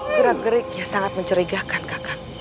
gerak geriknya sangat mencerigakan kakak